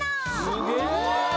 すげえ！